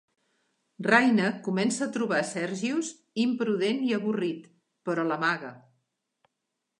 Raina comença a trobar Sergius imprudent i avorrit, però l'amaga.